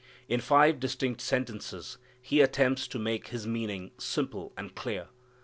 In five distinct sentences He attempts to make His meaning simple and clear.